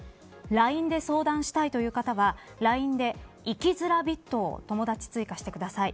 ＬＩＮＥで相談したいという方はＬＩＮＥで生きづらびっとを友達追加してください。